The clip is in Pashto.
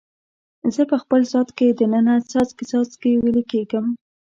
زه په خپل ذات کې د ننه څاڅکي، څاڅکي ویلي کیږم